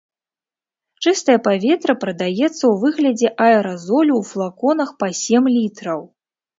Чыстае паветра прадаецца ў выглядзе аэразолю ў флаконах па сем літраў.